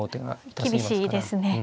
厳しいですね。